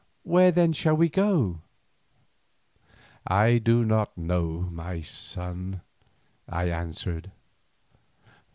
Where then shall we go?" "I do not know, my son," I answered.